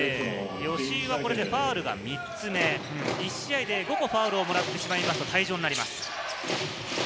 吉井はこれでファウルが３つ目、試合で５個ファウルをもらってしまうと退場になります。